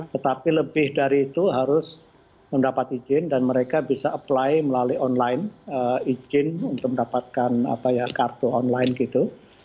tetapi lebih dari itu harus mendapat izin dan mereka bisa apply melalui online izin untuk mendapatkan kartu online gitu